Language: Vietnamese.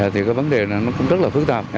thì cái vấn đề này nó cũng rất là phức tạp